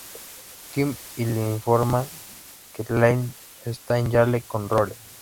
Kim y le informa que Lane está en Yale, con Rory.